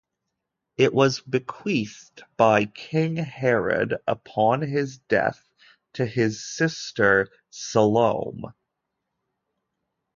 It was bequeathed by King Herod upon his death to his sister Salome.